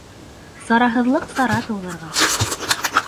Сараһыҙлыҡ сара тыуҙырған.